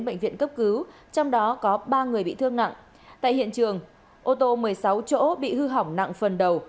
bệnh viện cấp cứu trong đó có ba người bị thương nặng tại hiện trường ô tô một mươi sáu chỗ bị hư hỏng nặng phần đầu